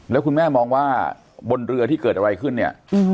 แล้วคุณแม่มองว่าบนเรือที่เกิดอะไรขึ้นเนี่ย